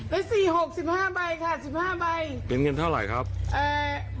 แล้วสี่หกสิบห้าใบค่ะสิบห้าใบเป็นเงินเท่าไหร่ครับเอ่อ